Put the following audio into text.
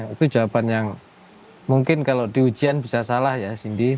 itu jawaban yang mungkin kalau di ujian bisa salah ya cindy